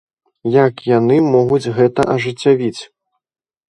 Як яны могуць гэта ажыццявіць?